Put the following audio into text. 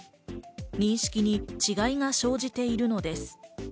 認識に違いが生じているのです。